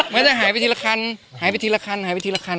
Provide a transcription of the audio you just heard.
มันจะหายไปทีละคันหายไปทีละคันหายไปทีละคัน